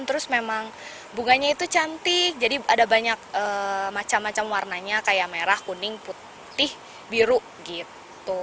terus memang bunganya itu cantik jadi ada banyak macam macam warnanya kayak merah kuning putih biru gitu